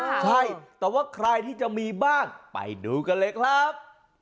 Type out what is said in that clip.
ใช่แต่ว่าใครที่จะมีบ้างไปดูกันเลยครับ